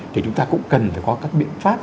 thì chúng ta cũng cần phải có các biện pháp